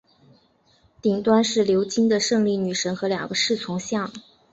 顶端是鎏金的胜利女神和两个侍从像。